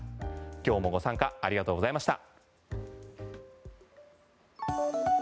今日もご参加ありがとうございました。